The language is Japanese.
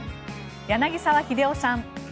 柳澤秀夫さん。